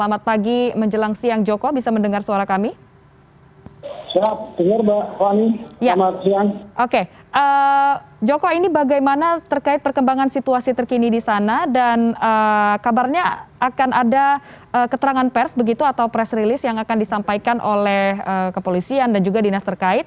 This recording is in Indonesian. atau press release yang akan disampaikan oleh kepolisian dan juga dinas terkait